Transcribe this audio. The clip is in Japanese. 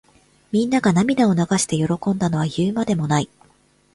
みんなが涙を流して喜んだのは言うまでもない。